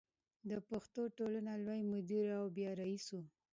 د پښتو ټولنې لوی مدیر او بیا رئیس و.